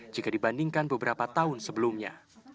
jika dibandingkan beberapa tahun sebelumnya